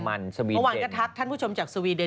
เมื่อวานก็ทักท่านผู้ชมจากสวีเดน